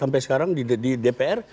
sampai sekarang di dpr